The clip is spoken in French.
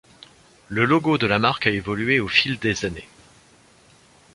Le logo de la marque a évolué au fil des années.